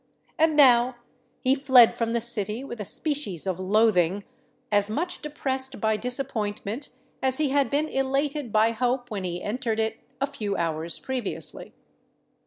And now he fled from the City with a species of loathing,—as much depressed by disappointment as he had been elated by hope when he entered it a few hours previously.